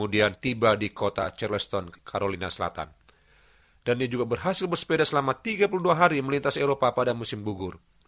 dan sehat secara fisik